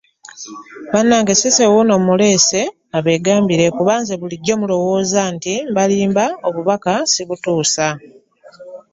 Bannange Cissy wuuno mmuleese abeegambire kuba nze bulijjo mulowooza nti mbalimba obubaka sibutuusa.